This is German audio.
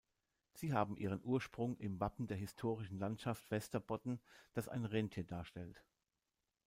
Sie haben ihren Ursprung im Wappen der historischen Landschaft Västerbotten, das ein Rentier darstellt.